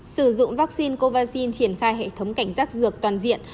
sử dụng vaccine covid triển khai hệ thống cảnh giác dược toàn diện